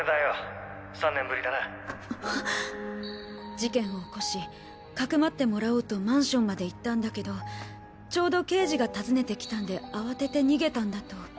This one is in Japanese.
事件を起こし匿ってもらおうとマンションまで行ったんだけどちょうど刑事が訪ねてきたんで慌てて逃げたんだと。